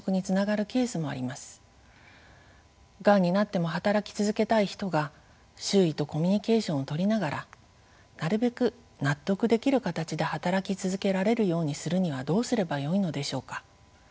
がんになっても働き続けたい人が周囲とコミュニケーションをとりながらなるべく納得できる形で働き続けられるようにするにはどうすればよいのでしょうか。